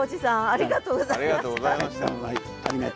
ありがとうございます。